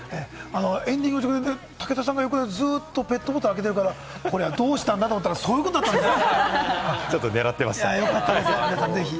エンディングのとき、横で武田さんがずっとペットボトル開けてるから、どうしたんだと思ってたら、そういうことだったんだね。